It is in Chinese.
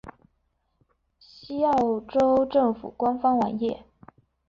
西澳州政府官方网页